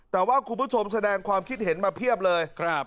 แต่ว่าคุณผู้ชมแสดงความคิดเห็นมาเพียบเลย